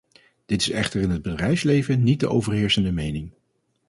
Dit is echter in het bedrijfsleven niet de overheersende mening.